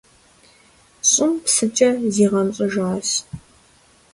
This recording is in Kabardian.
ЩӀым псыкӀэ зигъэнщӀыжащ.